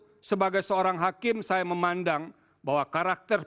oleh karena itu sebagai seorang hakim saya memandang bahwa karakteristik pemukulan